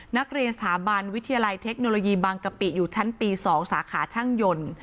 นักเรียนสถาบันวิทยาลัยเทคโนโลยีบางกะปิอยู่ชั้นปี๒สาขาช่างยนต์